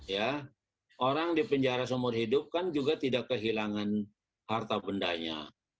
ya orang di penjara seumur hidup kan juga tidak kehilangan harta bendanya